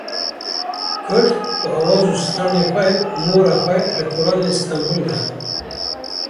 Kurd bi awaz û stranên xwe mohra xwe li kolanên Stenbolê dixin.